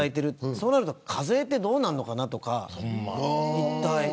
そうなると課税はどうなるのかなとか。